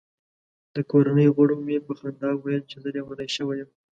د کورنۍ غړو مې په خندا ویل چې زه لیونی شوی یم.